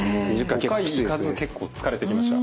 ５回にいかず結構疲れてきました。